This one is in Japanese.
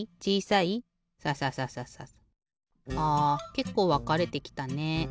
けっこうわかれてきたね。